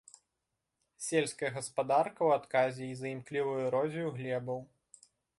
Сельская гаспадарка ў адказе і за імклівую эрозію глебаў.